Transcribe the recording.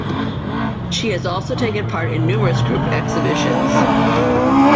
She has also taken part in numerous group exhibitions.